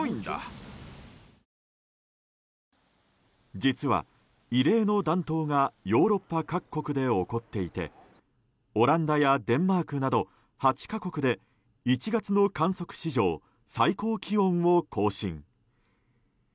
実は、異例の暖冬がヨーロッパ各国で起こっていてオランダやデンマークなど８か国で１月の観測史上最高気温を更新。